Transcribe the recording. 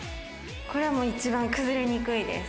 これはもう一番崩れにくいです。